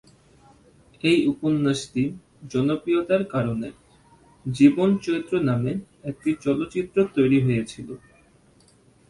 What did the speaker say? এই উপন্যাসটি জনপ্রিয়তার কারণে "জীবন চৈত্র" নামে একটি চলচ্চিত্র তৈরি হয়েছিল।